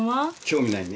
興味ないね。